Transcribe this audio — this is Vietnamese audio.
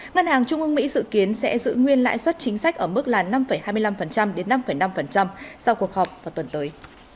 ngân hàng trung ương mỹ dự kiến sẽ giữ nguyên lãi suất chính sách ở mức là năm hai mươi năm đến năm năm sau cuộc họp vào tuần tới